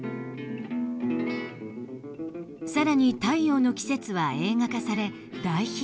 更に「太陽の季節」は映画化され大ヒット。